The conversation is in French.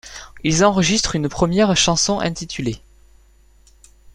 Ils enregistrent une première chanson intitulée '.